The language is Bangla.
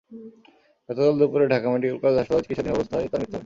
গতকাল দুপুরে ঢাকা মেডিকেল কলেজ হাসপাতালে চিকিৎসাধীন অবস্থায় তাঁর মৃত্যু হয়।